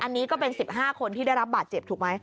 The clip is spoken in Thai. อันนี้ก็เป็น๑๕คนที่ได้รับบาดเจ็บถูกไหม